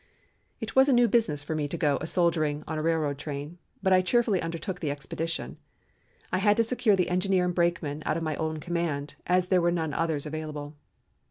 "It was a new business for me to go a soldiering on a railroad train, but I cheerfully undertook the expedition. I had to secure the engineer and brakemen out of my own command, as there were none others available.